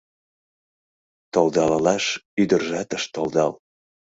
Толдалалаш ӱдыржат ыш толдал.